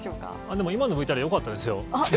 でも、今のＶＴＲ、よかったですよ。